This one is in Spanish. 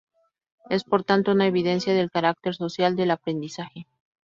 Es por tanto una evidencia del carácter social del aprendizaje.